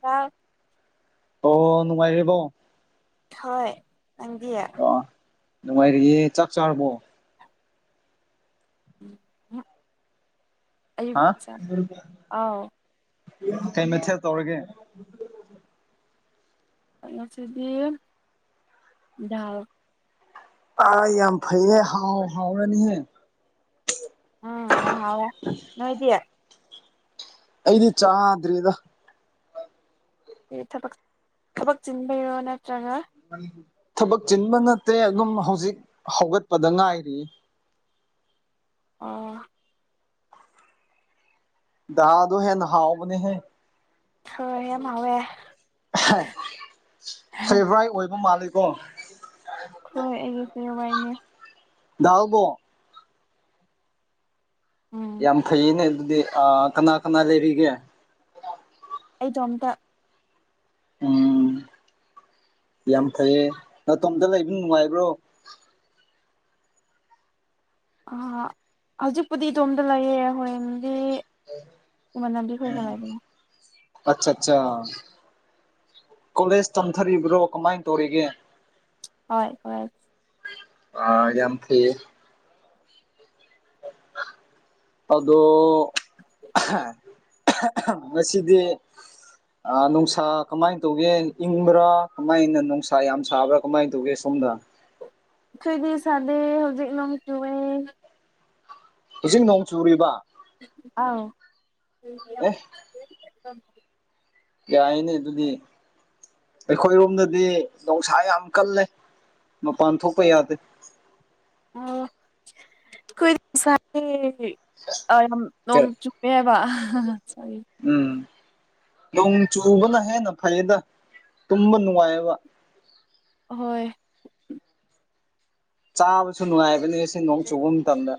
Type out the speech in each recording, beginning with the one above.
ꯇ ꯑꯣ ꯅꯨꯡꯉꯥꯏꯔꯤꯕꯣ ꯍꯣꯏ ꯅꯪꯗꯤꯌꯦ ꯅꯨꯡꯉꯥꯏꯔꯤꯒꯦ ꯆꯞ ꯆꯥꯔꯕꯣ ꯑꯌꯨ ꯍꯥ ꯑꯥꯎ ꯀꯩ ꯃꯊꯦꯜ ꯇꯧꯔꯒꯦ ꯉꯁꯤꯗꯤ ꯇꯥ ꯌꯥꯝ ꯐꯩꯔꯦ ꯍꯥꯎ ꯍꯥꯎꯔꯅꯤꯍꯦ ꯎꯝ ꯅꯝ ꯍꯋꯥ ꯅꯣꯏꯣꯏꯗꯌꯥ ꯑꯩꯗꯤ ꯆꯥꯗ꯭ꯔꯔꯤꯗ ꯊꯕꯛ ꯊꯕꯛ ꯆꯤꯟꯕꯤꯔꯣ ꯅꯠꯇ꯭ꯔꯒ ꯊꯕꯛ ꯆꯤꯟꯕ ꯅꯠꯇꯦ ꯑꯗꯨꯝ ꯍꯧꯖꯤꯛ ꯍꯧꯒꯠꯄꯗ ꯉꯥꯏꯔꯤ ꯑꯣ ꯍꯗꯣ ꯍꯦ ꯅꯍꯥꯎꯕꯅꯦꯍꯦ ꯍꯣꯏ ꯌꯥꯝ ꯍꯥꯎꯋꯦ ꯐꯦꯕ꯭ꯔꯥꯏ ꯑꯣꯏꯕ ꯃꯥꯜꯂꯤꯦꯀꯣ ꯍꯣꯏ ꯑꯩꯗꯤ ꯀꯩ ꯋꯥꯏꯅꯦ ꯎꯕꯣ ꯎꯝ ꯌꯥꯝ ꯐꯩꯅꯦ ꯑꯗꯨꯗꯤ ꯀꯅꯥ ꯀꯅꯥ ꯂꯩꯔꯤꯒꯦ ꯑꯩꯗꯣ ꯑꯝꯇ ꯎꯝ ꯌꯥꯝ ꯐꯩꯌꯦ ꯃꯇꯇꯣꯝꯇ ꯂꯩꯕ ꯅꯨꯡꯉꯥꯏꯕ꯭ꯔꯣ ꯑ ꯍꯧꯖꯤꯛꯄꯨꯗꯤ ꯏꯗꯣꯝꯗ ꯂꯩꯌꯦ ꯍꯣꯔꯦꯟꯗꯤ ꯏꯃꯥꯟꯅꯕꯤ ꯈꯣꯏꯒ ꯂꯩꯕꯅꯦ ꯎꯝ ꯑꯠꯆꯥ ꯑꯠꯆꯥ ꯀꯣꯂꯦꯖ ꯇꯝꯊꯔꯤꯕ꯭ꯔꯣ ꯀꯃꯥꯏꯅ ꯇꯧꯔꯤꯒꯦ ꯍꯣꯏ ꯍꯣꯏ ꯑ ꯌꯥꯝ ꯊ ꯑꯗꯣ ꯃꯁꯤꯗꯤ ꯑ ꯅꯨꯡꯁꯥ ꯀꯃꯥꯏꯅ ꯇꯧꯒꯦ ꯏꯪꯕ꯭ꯔꯥ ꯀꯃꯥꯏꯅ ꯅꯨꯡꯁꯥ ꯌꯥꯝ ꯁꯥꯕ꯭ꯔꯥ ꯀꯃꯥꯏꯅ ꯇꯧꯒꯦ ꯁꯣꯝꯗ ꯈꯣꯏꯗꯤ ꯁꯥꯗꯦ ꯍꯧꯖꯤꯛ ꯅꯣꯡ ꯆꯨꯋꯦ ꯍꯧꯖꯤꯛ ꯅꯣꯡ ꯆꯨꯔꯤꯕ ꯑꯥꯎ [inaudible] ꯌꯥꯏꯅꯤ ꯑꯗꯨꯨꯗꯤ ꯑꯩꯈꯣꯏꯔꯣꯝꯗꯗꯤ ꯅꯨꯡꯁꯥ ꯌꯥꯝ ꯀꯜꯂꯦ ꯃꯄꯥꯟ ꯊꯣꯛꯄ ꯌꯥꯗꯦ ꯑꯣ ꯈꯣꯏꯗꯤ ꯁꯥꯗꯦ ꯌꯥꯝ ꯅꯣꯡ ꯆꯨ ꯄꯦꯕ ꯁꯣꯔꯤ ꯎꯝ ꯅꯣꯡ ꯆꯨꯕꯅ ꯍꯦꯟꯅ ꯐꯩꯌꯦꯗ ꯇꯨꯝꯕ ꯅꯨꯡꯉꯥꯏꯑꯕ ꯍꯣꯏ ꯆꯥꯕꯁꯨ ꯅꯨꯡꯉꯥꯏꯕꯅꯦ ꯁꯤ ꯅꯣꯡ ꯆꯨꯕ ꯃꯇꯝꯗ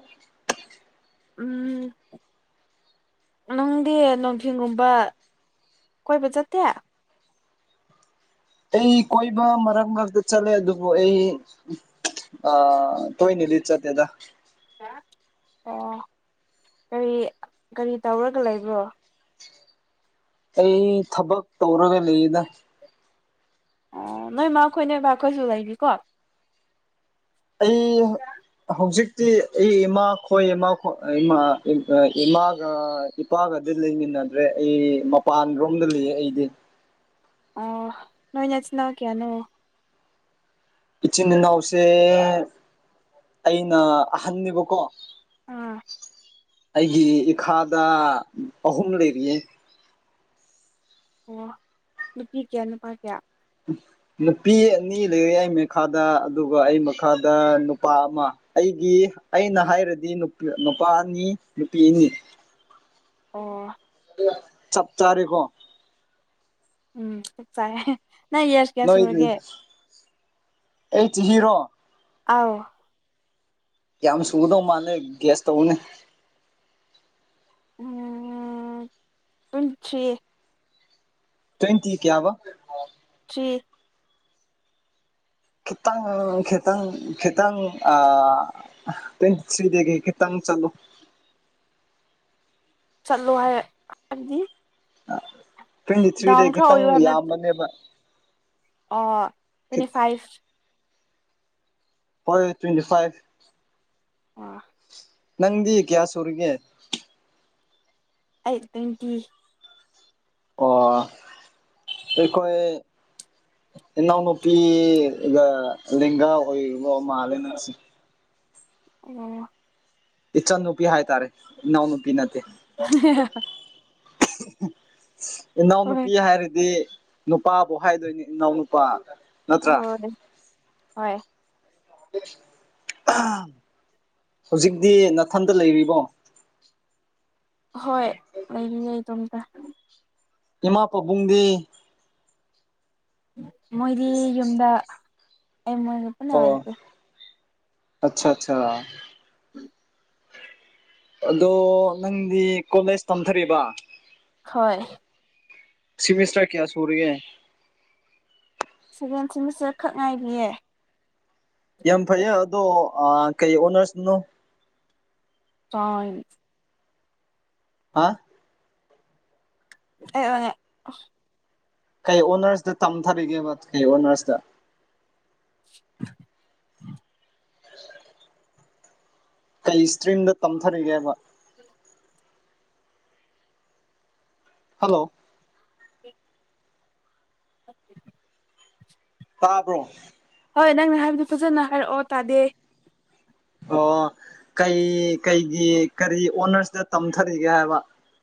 ꯎꯝ ꯅꯨꯡꯗꯤ ꯅꯨꯡꯊꯤꯟꯒꯨꯝꯕ ꯀꯣꯏꯕ ꯆꯠꯇꯦ ꯑꯩ ꯀꯣꯏꯕ ꯃꯔꯛ ꯃꯔꯛꯇ ꯆꯠꯂꯦ ꯑꯗꯨꯕꯨ ꯑꯩ ꯑꯥ ꯇꯣꯏꯅꯤꯗꯤ ꯆꯠꯇꯦꯗ ꯑꯣ ꯀꯔꯤ ꯀꯔꯤ ꯇꯧꯔꯒ ꯂꯩꯕ꯭ꯔꯣ ꯑꯩ ꯊꯕꯛ ꯇꯧꯔꯒ ꯂꯩꯗ ꯑꯣ ꯅꯣꯏ ꯃꯥ ꯈꯣꯏ ꯅꯣꯕ ꯈꯣꯏꯁꯨ ꯂꯩꯔꯤꯀꯣ ꯑꯩ ꯍꯧꯖꯤꯛ ꯑꯩ ꯏꯃꯥ ꯈꯣꯏ ꯏꯃꯥ ꯈꯣ ꯏꯃ ꯏꯃꯥꯒ ꯅꯨꯄꯥꯒꯗꯤ ꯂꯩꯃꯤꯟꯅꯗ꯭ꯔꯦ ꯑꯩ ꯃꯄꯥꯟ ꯔꯣꯝꯗ ꯂꯩꯑ ꯑꯩꯗꯤ ꯑꯣ ꯅꯣꯏ ꯅꯆꯤꯟ ꯅꯥꯎ ꯀꯌꯥꯅꯣ ꯏꯆꯤꯟ ꯏꯅꯥꯎꯁꯦ ꯑꯩꯅ ꯑꯍꯟꯅꯦꯕꯀꯣ ꯑꯥ ꯑꯩꯒꯤ ꯏꯈꯥꯗ ꯑꯍꯨꯝ ꯂꯩꯔꯤꯌꯦ ꯑꯣ ꯅꯨꯄꯤ ꯀꯌꯥ ꯅꯨꯄꯥ ꯀꯌꯥ [unintelligible] ꯅꯨꯄꯤ ꯑꯅꯤ ꯂꯩꯔꯦ ꯑꯩ ꯃꯈꯥꯗ ꯑꯗꯨꯒ ꯑꯩ ꯃꯈꯥꯗ ꯅꯨꯄꯥ ꯑꯃ ꯑꯩꯒꯤ ꯑꯩꯅ ꯍꯥꯏꯔꯗꯤ ꯅꯣꯄꯤ ꯅꯨꯄꯥ ꯑꯅꯤ ꯅꯨꯄꯤ ꯑꯅꯤ ꯑꯣ ꯆꯞ ꯆꯥꯔꯤꯀꯣ ꯎꯝ ꯆꯥꯏꯌꯦ ꯅꯪ ꯌꯥꯔꯁ ꯀꯥꯌꯥ ꯅꯣꯏ ꯁꯨꯔꯒꯦ ꯑꯩ ꯆꯍꯤꯔꯣ ꯑꯥꯎ ꯌꯥꯝ ꯁꯨꯒꯗꯧ ꯃꯥꯜꯂꯦ ꯒ꯭ꯌꯥꯁ ꯇꯧꯕꯅꯦ ꯇ꯭ꯋꯦꯟꯇꯤ ꯊ꯭ꯔꯤ ꯇ꯭ꯋꯦꯟꯇꯤ ꯀꯌꯥꯕ ꯊ꯭ꯔꯤ ꯈꯤꯇꯪ ꯈꯤꯇꯪ ꯈꯤꯇꯪ ꯑꯥ ꯇꯋ꯭ꯦꯟꯇꯤ ꯊ꯭ꯔꯤꯗꯒꯤ ꯈꯤꯇꯪ ꯆꯥꯂꯨ ꯆꯠꯂꯣ ꯍꯥꯏ ꯍꯥꯏꯕꯗꯤ ꯇ꯭ꯋꯦꯟꯇꯤ ꯗꯥꯎꯟ ꯊ꯭ꯔꯤꯗꯩ ꯈꯔ ꯈꯤꯇꯪ ꯑꯣꯏꯌꯨ ꯍꯥꯏꯕ ꯅꯠ ꯌꯥꯝꯕꯅꯦꯕ ꯑꯣ ꯇꯋ꯭ꯦꯟꯇꯤ ꯐꯥꯏꯚ ꯍꯣꯏ ꯇ꯭ꯋꯦꯟꯇꯤ ꯐꯥꯏꯚ ꯑꯣ ꯅꯪꯗꯤ ꯀꯌꯥ ꯁꯨꯔꯤꯒꯦ ꯑꯩꯠ ꯇ꯭ꯋꯦꯟꯇꯤ ꯑꯣ ꯑꯩꯈꯣꯏ ꯏꯅꯥꯎꯅꯨꯄꯤ ꯂꯦꯡꯒꯥ ꯑꯣꯏꯕ ꯃꯥꯜꯂꯦ ꯅꯪꯁꯦ ꯑꯣ ꯏꯆꯟ ꯅꯨꯄꯤ ꯍꯥꯏꯇꯥꯔꯦ ꯏꯅꯥꯎ ꯅꯨꯄꯤ ꯅꯠꯇꯦ [unintelligible] ꯏꯅꯥꯎ ꯍꯣꯏ ꯅꯨꯨꯄꯤ ꯍꯥꯏꯔꯗꯤ ꯅꯨꯄꯥꯕꯨ ꯍꯥꯏꯗꯣꯏꯅꯦ ꯏꯅꯥꯎ ꯅꯨꯄꯥ ꯍꯣꯏ ꯍꯣꯏ [unintelligible] ꯍꯧꯖꯤꯛꯇꯤ ꯅꯥꯊꯟꯇ ꯂꯩꯔꯤꯕꯣ ꯍꯣꯏ ꯂꯩꯔꯤꯅꯦ ꯏꯗꯣꯝꯇ ꯏꯃꯥ ꯄꯥꯕꯨꯡꯗꯤ ꯃꯣꯏꯗꯤ ꯌꯨꯝꯗ ꯑꯩ ꯃꯣꯏ ꯑꯣ ꯑꯆꯥ ꯑꯆꯥꯆꯥ ꯑꯗꯣ ꯅꯪꯗꯤ ꯀꯣꯂꯦꯖ ꯇꯝꯊꯔꯤꯕ ꯍꯣꯏ ꯁꯤꯃꯤꯁꯇ꯭ꯔꯥ ꯀꯌꯥ ꯁꯨꯔꯤꯌꯦ ꯁꯦꯕꯦꯟ ꯁꯦꯃꯤꯁꯇꯔ ꯈꯛ ꯉꯥꯏꯔꯤꯌꯦ ꯌꯥꯝ ꯐꯩꯌꯦ ꯑꯗꯣ ꯀꯩ ꯑꯣꯅꯔꯁꯅꯣ [unintelligible] ꯍꯥ [unintelligible] ꯀꯩ ꯑꯣꯅꯔꯁꯇ ꯇꯝꯊꯔꯤꯒꯦꯕ ꯀꯩ ꯑꯣꯅꯔꯁꯇ [inaudible] ꯀꯩ ꯏꯁꯇ꯭ꯔꯤꯝꯗ ꯇꯝꯊꯔꯤꯒꯦꯕ ꯍꯜꯂꯣ ꯇꯥꯕ꯭ꯔꯣ ꯍꯣꯏ ꯅꯪꯅ ꯍꯥꯏꯕꯗꯨ ꯐꯖꯅ ꯍꯥꯏꯔꯛꯑꯣ ꯇꯥꯗꯦ ꯑꯣ ꯀꯩ ꯀꯩꯒꯤ ꯀꯔꯤ ꯑꯣꯅꯔꯁꯇ ꯇꯝꯊꯔꯤꯒꯦ ꯍꯥꯏꯕ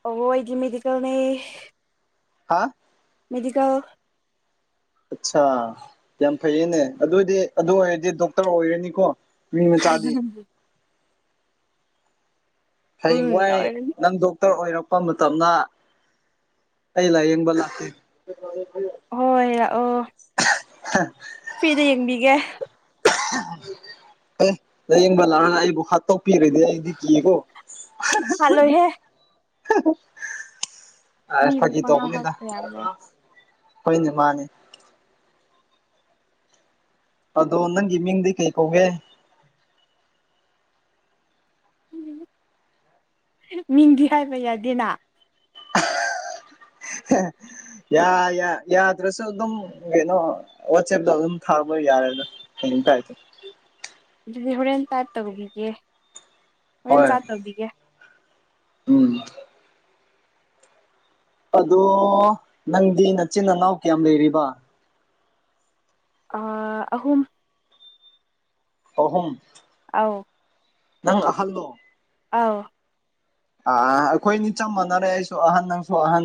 ꯑꯣ ꯑꯩꯗꯤ ꯃꯦꯗꯤꯀꯦꯜꯅꯦ ꯍꯥ ꯃꯦꯗꯤꯀꯦꯜ ꯑꯠꯆꯥ ꯌꯥꯝ ꯐꯩꯌꯦꯅꯦ ꯑꯗꯨꯏꯗꯤ ꯑꯗꯨ ꯑꯣꯏꯔꯗꯤ ꯗꯣꯛꯇꯔ ꯑꯣꯏꯔꯅꯤꯀꯣ ꯃꯤ ꯃꯆꯥꯗꯤ ꯍꯩ ꯎꯝ ꯋꯥꯏ ꯑꯣꯏꯔꯅꯤ ꯅꯪꯗ ꯗꯣꯛꯇꯔ ꯑꯣꯏꯔꯛꯄ ꯃꯇꯝꯅ ꯑꯩ ꯂꯥꯏꯌꯦꯡꯕ ꯂꯥꯛꯇꯦ ꯍꯣꯏ ꯂꯛꯑꯣ [unintelligible] ꯐ꯭ꯔꯤꯗ ꯌꯦꯡꯕꯤꯒꯦ [unintelligible] ꯑꯦ ꯂꯥꯏꯌꯦꯡꯕ ꯂꯥꯛꯑꯒ ꯑꯩꯕꯨ ꯍꯥꯠꯇꯧꯄꯤꯔꯗꯤ ꯑꯩꯗꯤ ꯀꯤꯀꯣ ꯍꯠꯂꯣꯢꯍꯦ [unintelligible] ꯑꯁ ꯃꯤꯕꯨ ꯐꯒꯤ ꯄꯪꯍꯥꯠ ꯇꯧꯕꯅꯤꯗ ꯍꯥꯠꯄ ꯌꯥꯕ꯭ꯔꯣ ꯍꯣꯏꯅꯦ ꯃꯥꯅꯤ ꯑꯗꯣ ꯅꯪꯒꯤ ꯃꯤꯡꯗꯤ ꯀꯩ ꯀꯧꯒꯦ ꯃꯤꯡꯗꯤ ꯍꯥꯏꯕ ꯌꯥꯗꯦꯅ [unintelligible] ꯌꯥ ꯌꯥꯗ꯭ꯔꯁꯨ ꯑꯗꯨꯝ ꯀꯩꯅꯣ ꯋꯥꯆꯦꯞꯇ ꯑꯗꯨꯝ ꯊꯥꯕ ꯌꯥꯔꯦꯗ [unintelligible] ꯑꯗꯨꯗꯤ ꯍꯣꯔꯦꯟ ꯇꯏꯞ ꯇꯧꯕꯤꯒꯦ ꯍꯣꯔꯦꯟ ꯍꯣꯏ ꯆꯥꯠ ꯇꯧꯕꯤꯒꯦ ꯎꯝ ꯑꯗꯣ ꯅꯪꯗꯤ ꯅꯆꯤꯟ ꯏꯅꯥꯎ ꯀꯌꯥꯝ ꯂꯩꯔꯤꯕ ꯑꯥ ꯑꯍꯨꯝ ꯑꯍꯨꯝ ꯑꯥꯎ ꯅꯪ ꯑꯍꯜꯂꯣ ꯑꯥꯎ ꯑ ꯑꯩꯈꯣꯏꯅꯤ ꯆꯞ ꯃꯥꯟꯅꯔꯦ ꯑꯩꯁꯨ ꯑꯍꯟ ꯅꯪꯁꯨ ꯑꯍꯟ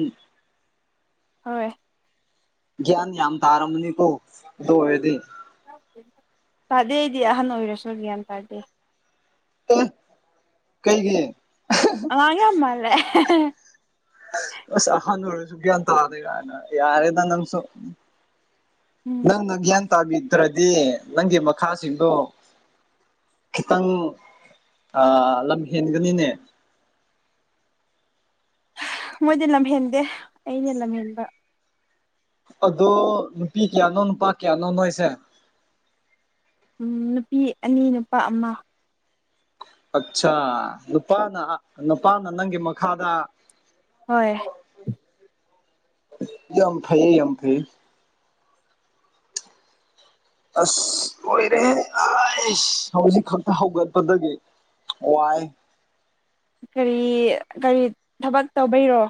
ꯍꯣꯏ ꯭ꯅꯤ ꯌꯥꯝ ꯊꯥꯔꯝꯅꯤ ꯀꯣꯗꯣ ꯑꯣꯏꯗꯤ ꯇꯥꯗꯦꯗꯤ ꯑꯍꯟ ꯑꯣꯏꯔꯁꯨ ꯒ꯭ꯌꯥꯟ ꯇꯥꯗꯦ ꯀꯩ ꯀ ꯑꯉꯑꯃ ꯂꯩꯦ ꯅꯣ ꯁꯈꯦ ꯇ ꯑꯗꯨꯗꯦ ꯀꯅ ꯌꯥꯔꯦꯗ ꯅꯪꯁꯨ ꯎꯝ ꯅꯪꯅ ꯒ꯭ꯌꯥꯟ ꯇꯥꯕꯤꯗ꯭ꯔꯗꯤ ꯅꯪꯒꯤ ꯃꯈꯥꯁꯤꯡꯗꯣ ꯈꯤꯇꯪ ꯂꯝ ꯍꯦꯟꯒꯅꯤꯅꯦ ꯃꯣꯏꯗꯤ ꯂꯝꯍꯦꯟꯗꯦ ꯑꯩꯅ ꯂꯝꯍꯦꯟꯕ ꯑꯗꯣ ꯅꯨꯄꯤ ꯀꯌꯥꯅꯣ ꯅꯨꯄꯥ ꯀꯌꯥꯅꯣꯅꯣ ꯑꯩꯁꯦ ꯎ ꯅꯨꯄꯤ ꯑꯅꯤ ꯅꯨꯄꯥ ꯑꯃ ꯑꯆꯥꯥ ꯅꯨꯄꯥꯅ ꯅꯨꯄꯥꯅ ꯅꯪꯒꯤ ꯃꯈꯥꯗ ꯍꯣꯏ ꯌꯥꯝꯝ ꯐꯩꯌꯦ ꯌꯥꯝꯝ ꯐꯩꯌꯦ ꯑꯁ ꯂꯣꯏꯔꯦ ꯑꯩꯁ ꯍꯧꯖꯤꯛ ꯈꯛꯇ ꯍꯧꯒꯠꯄꯗꯒꯤ ꯋꯥꯏ ꯀꯔꯤ ꯀꯔꯤ ꯊꯕꯛ ꯇꯧꯕꯩꯔꯣ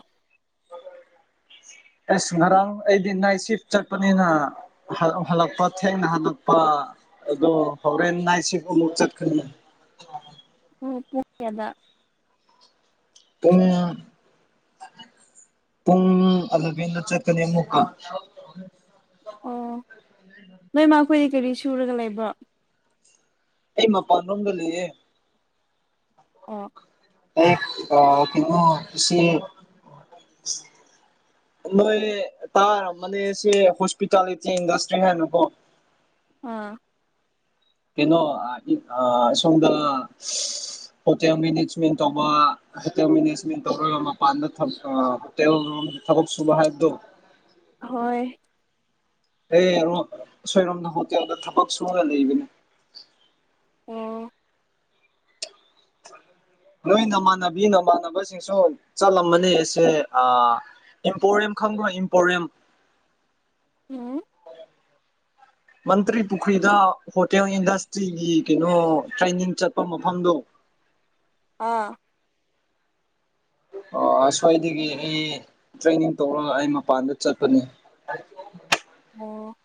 ꯑꯁ ꯉꯔꯥꯡ ꯑꯩꯗꯤ ꯅꯥꯏ ꯁꯤꯐ ꯆꯠꯄꯅꯤꯅ ꯍꯜꯂꯛꯄ ꯊꯦꯡꯅ ꯍꯜꯂꯛꯄ ꯑꯗꯣ ꯍꯣꯔꯦꯟ ꯅꯥꯏꯁꯤꯕꯨ ꯑꯃꯨꯛ ꯆꯠꯀꯅꯤ ꯎ ꯄꯗ ꯄꯨꯡꯨꯡ ꯄꯨꯡ ꯑꯂꯕꯅ ꯆꯀꯩꯅ ꯃꯨꯀ ꯑꯣ ꯅꯣꯏꯃꯈꯣꯏꯗꯤ ꯀꯔꯤ ꯁꯨꯔꯒ ꯂꯩꯕ꯭ꯔꯣ ꯑꯩ ꯃꯄꯥꯟ ꯂꯣꯝꯗ ꯂꯩꯌꯦꯦ ꯑꯣ [unintelligible] ꯏꯆꯦ ꯅꯣꯏ ꯇꯥꯔꯝꯃꯅꯤ ꯁꯤ ꯍꯣꯁꯄꯤꯇꯥꯂꯤꯇꯤ ꯏꯟꯗꯁꯇ꯭ꯔꯤ ꯍꯥꯏꯅꯀꯣ ꯑꯥ ꯀꯩꯅꯣ ꯑ ꯁꯣꯝꯗ ꯍꯣꯇꯦꯜ ꯃꯦꯅꯦꯖꯃꯦꯟ ꯇꯧꯕ ꯍꯣꯇꯦꯜ ꯃꯦꯅꯦꯁꯃꯦꯟꯠ ꯇꯧꯔꯒ ꯃꯄꯥꯟꯗ ꯊꯝ ꯑ ꯇꯦꯁꯣꯔꯣꯝꯗ ꯊꯕꯛ ꯁꯨꯕ ꯍꯥꯥꯏꯕꯗꯣ ꯍꯣꯏ [unintelligible] ꯑꯁꯣꯏꯔꯣꯝꯗ ꯍꯣꯇꯦꯜꯗ ꯊꯕꯛ ꯁꯨꯔ ꯂꯩꯕꯅꯤ ꯑꯣ ꯅꯣꯏ ꯅꯃꯥꯟꯅꯕꯤ ꯅꯃꯥꯟꯅꯕꯁꯤꯡꯁꯨ ꯆꯠꯂꯝꯃꯅꯦ ꯑꯁꯦ ꯑ ꯏꯝꯄꯣꯔꯤꯌꯝ ꯈꯪꯕ꯭ꯔꯣ ꯏꯝꯄꯣꯔꯤꯌꯝ [unintelligible] ꯃꯟꯇ꯭ꯔꯤ ꯄꯨꯈ꯭ꯔꯤꯗ ꯍꯣꯇꯦꯜ ꯏꯟꯗꯁꯇ꯭ꯔꯤꯒꯤ ꯀꯩꯅꯣ ꯇ꯭ꯔꯦꯅꯤꯡ ꯆꯠꯄ ꯃꯐꯝꯗꯣ ꯑꯥ ꯑ ꯑꯁ꯭ꯋꯥꯏꯗꯒꯤ ꯑꯩ ꯇ꯭ꯔꯦꯅꯤꯡ ꯇꯧꯔ ꯑꯩ ꯃꯄꯥꯟꯗ ꯆꯠꯄꯅꯤ ꯑꯣ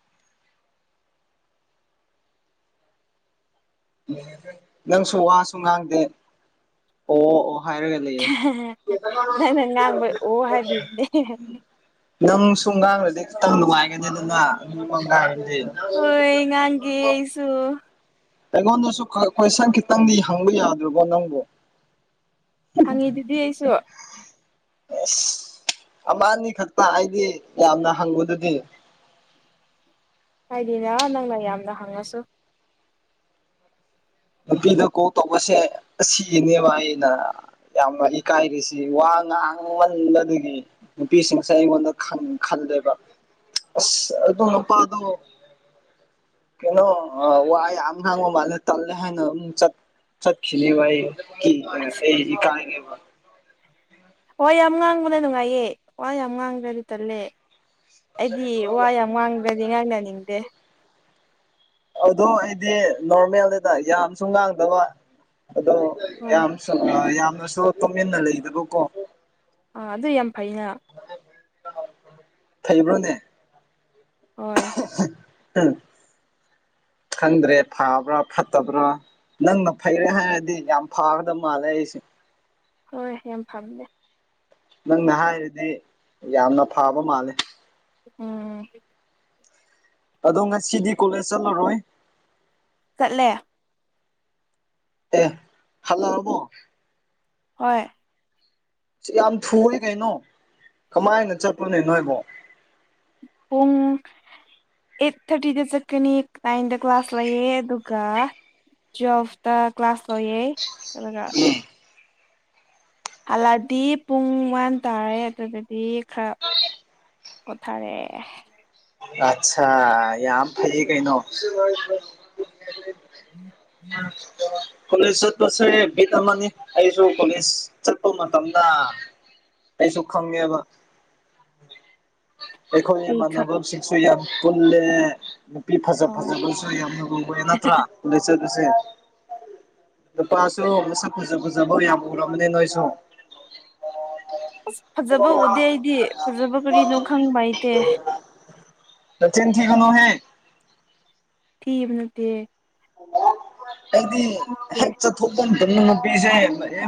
ꯅꯪꯁꯨ ꯋꯥꯁꯨ ꯉꯥꯡꯗꯦ ꯑꯣ ꯑꯣ ꯍꯥꯏꯔꯒ ꯂꯩꯌꯦ ꯅꯪꯅ ꯉꯥꯡꯕꯩ ꯑꯣ ꯍꯥꯏꯕꯤꯕꯅꯦ [unintelligible] ꯅꯪꯁꯨꯉꯥꯡꯂꯗꯤ ꯈꯤꯇꯪ ꯅꯨꯡꯉꯥꯏꯒꯅꯤꯗꯅ [unintelligible] ꯍꯣꯏ ꯉꯥꯡꯒꯦ ꯑꯩꯁꯨ ꯑꯩꯉꯣꯟꯗꯁꯨ ꯈ ꯀꯣꯏꯁꯟ ꯈꯤꯇꯪꯗꯤ ꯍꯪꯕ ꯌꯥꯗ꯭ꯔꯕꯣ ꯅꯪꯕꯣ ꯍꯪꯉꯤꯗꯨꯗꯤ ꯑꯩꯁꯨ ꯑꯁ ꯑꯃꯥ ꯑꯅꯤ ꯈꯛꯇ ꯑꯩꯗꯤ ꯌꯥꯝꯅ ꯍꯪꯕꯗꯨꯗꯤ ꯍꯥꯏꯗꯤꯅ ꯅꯪꯅ ꯌꯥꯝꯅ ꯍꯪꯉꯁꯨ ꯅꯨꯄꯤꯗ ꯀꯣꯜ ꯇꯧꯕꯁꯦ ꯑꯁꯤꯅꯦꯕ ꯑꯩꯅ ꯌꯥꯝꯅ ꯏꯀꯥꯏꯔꯤꯁꯤ ꯋꯥ ꯉꯥꯡꯃꯟꯕꯗꯒꯤ ꯅꯨꯄꯤꯁꯤꯡꯁꯦ ꯑꯩꯉꯣꯟꯗ ꯈꯟ ꯈꯜꯂꯦꯕ ꯑꯁ ꯑꯗꯨ ꯅꯨꯄꯥꯗꯣ ꯀꯩꯅꯣ ꯋꯥꯥ ꯌꯥꯝ ꯉꯥꯡꯕ ꯃꯥꯜꯂꯦ ꯇꯜꯂꯦ ꯍꯥꯏꯅ [unintelligible] ꯆꯠ ꯆꯈꯤꯅꯤꯕ ꯑꯩ [unintelligible] ꯏꯀꯥꯏꯅꯤꯕ ꯋꯥ ꯌꯥꯝ ꯉꯥꯡꯕꯅ ꯅꯨꯡꯉꯥꯏꯌꯦ ꯋꯥ ꯌꯥꯝ ꯉꯥꯡꯗ꯭ꯔꯗꯤ ꯇꯜꯂꯦ ꯑꯩꯗꯤ ꯋꯥ ꯌꯥꯝ ꯃꯥꯡꯗꯗꯤ ꯉꯥꯡꯅꯅꯤꯡꯗꯦ ꯑꯗꯣ ꯑꯩꯗꯤ ꯅꯣꯔꯃꯦꯜꯅꯤꯗ ꯌꯥꯝꯁꯨ ꯉꯥꯡꯗꯕ ꯑꯗꯣ ꯍꯣꯏ ꯌꯥꯝ ꯌꯥꯝꯅꯁꯨ ꯇꯨꯃꯤꯟꯅ ꯂꯩꯗꯕꯀꯣ ꯑꯥ ꯑꯗꯨ ꯌꯥꯝ ꯐꯩꯅ ꯊꯩꯕ꯭ꯔꯣꯅꯦ ꯍꯣꯏ ꯈꯪꯗ꯭ꯔꯦ ꯐꯕ꯭ꯔꯥ ꯐꯠꯇꯕ꯭ꯔꯥ ꯅꯪꯅ ꯐꯩ ꯍꯥꯏꯔꯗꯤ ꯌꯥꯝ ꯐꯥꯒꯗꯕ ꯃꯥꯜꯂꯦ ꯑꯩꯁꯦ ꯍꯣꯏ ꯌꯥꯝ ꯐꯝꯃꯦ ꯅꯪꯅ ꯍꯥꯏꯔꯗꯤ ꯌꯥꯝꯅ ꯐꯕ ꯃꯥꯜꯂꯦ ꯎꯝ ꯑꯗꯣ ꯉꯁꯤꯗꯤ ꯀꯣꯂꯦꯖ ꯆꯠꯂꯔꯣꯏ ꯆꯠꯂꯦ ꯑꯦ ꯍꯟꯅꯔꯕꯣ ꯑꯣꯏ ꯌꯥꯝ ꯊꯨꯔꯦ ꯀꯩꯅꯣ ꯀꯃꯥꯏꯅ ꯆꯠꯄꯅꯦ ꯅꯣꯏꯕꯣ ꯄꯨꯡ ꯑꯩꯠ ꯊꯥꯔꯇꯤꯗ ꯆꯠꯀꯅꯤ ꯅꯥꯏꯟꯗ ꯀ꯭ꯂꯥꯁ ꯂꯩꯌꯦ ꯑꯗꯨꯒ ꯇꯨꯋꯦꯜꯐꯇ ꯀ꯭ꯂꯥꯁ ꯂꯌꯦ ꯑꯗꯨꯒ ꯍꯜꯂꯛꯑꯗꯤ ꯄꯨꯡ ꯋꯥꯟ ꯇꯥꯔꯦ ꯑꯗꯨꯒꯗꯤ ꯈꯔ ꯀꯊꯔ ꯑꯆꯥꯥ ꯌꯥꯝ ꯐꯩ ꯀꯩꯅꯣ ꯑ [inaudible] ꯀꯣꯂꯦꯖ ꯆꯠꯄꯁꯦ ꯕꯤꯠ ꯑꯃꯅꯤ ꯑꯩꯁꯨ ꯀꯣꯂꯦꯖ ꯆꯠꯄ ꯃꯇꯝꯗ ꯑꯩꯁꯨ ꯈꯪꯉꯦꯕ [unintelligible] ꯑꯩꯈꯣꯏ ꯀꯩ ꯈꯪ ꯃꯅꯕꯁꯤꯡꯁꯨ ꯌꯥꯝ ꯄꯨꯨꯜꯂꯦ ꯅꯨꯄꯤ ꯐꯖ ꯑꯣ ꯐꯖꯕꯁꯨ ꯌꯥꯝ ꯔꯨꯕ ꯅꯠꯇ꯭ꯔꯥ ꯂꯩꯆꯠ ꯑꯁꯦ ꯅꯨꯄꯥꯁꯨ ꯃꯁꯛ ꯐꯖ ꯐꯖꯕ ꯌꯥꯝ ꯎꯔꯝꯕꯅꯤ ꯅꯣꯏꯁꯨ ꯑꯁ ꯐꯖꯕ ꯎꯗꯦ ꯑꯩꯗꯤ ꯐꯖꯕ ꯀꯔꯤꯅꯣ ꯈꯪꯕꯩꯇꯦ ꯅ ꯆꯦꯟ ꯊꯤ ꯀꯩꯅꯅꯣꯍꯦ ꯊꯤꯕ ꯅꯠꯇꯦ ꯀꯗꯤ ꯍ ꯑꯦ ꯆꯠꯊꯣꯛꯗ ꯑꯗꯨꯝ ꯅꯨꯄꯤꯁꯦ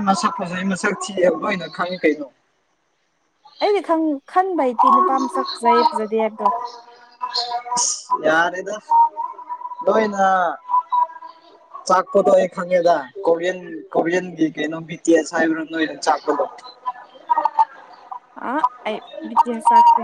ꯃꯁꯛ ꯐꯖꯩ ꯃꯁꯛ ꯊꯤꯑ ꯂꯣꯏꯅ ꯈꯪꯉꯤ ꯀꯩꯅꯣ ꯑꯩꯗꯤ ꯈꯟꯕ ꯍꯩꯇ ꯅꯨꯄꯥ ꯃꯁꯛ ꯐꯖꯩ ꯐꯖꯗꯦ ꯍꯥꯏꯕꯗꯣ ꯍ ꯌꯥꯔꯦꯗ ꯂꯣꯏꯅ [unintelligible] ꯆꯥꯛꯄꯗꯣ ꯑꯩ ꯈꯪꯉꯦꯗ ꯀꯣꯔꯤꯌꯟ ꯀꯣꯔꯤꯌꯟꯒꯤ ꯀꯩꯅꯣ ꯕꯤꯇꯤꯁ ꯍꯥꯏꯕ꯭ꯔꯥ ꯅꯣꯏꯅ ꯆꯥꯛꯄꯗꯣ ꯑ ꯑꯩ ꯕꯤꯇꯁ ꯍꯥꯏꯇꯦ